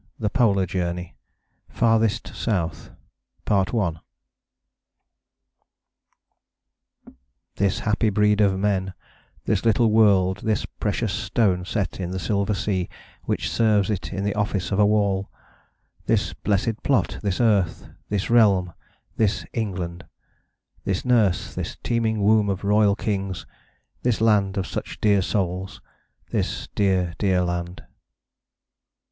Scott's Last Expedition, vol. i. p. 573. CHAPTER XVIII THE POLAR JOURNEY (continued) This happy breed of men, this little world, This precious stone set in the silver sea, Which serves it in the office of a wall, ... This blessed plot, this earth, this realm, this England, This nurse, this teeming womb of royal kings, ... This land of such dear souls, this dear, dear land.